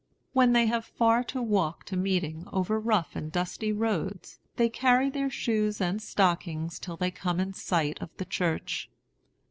When they have far to walk to meeting, over rough and dusty roads, they carry their shoes and stockings till they come in sight of the church.